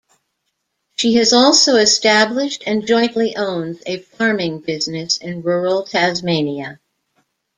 She has also established and jointly owns a farming business in rural Tasmania.